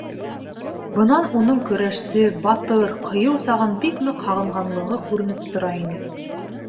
Бынан уның көрәшсе, батыр, ҡыйыу сағын бик ныҡ һағынғанлығы күренеп тора ине.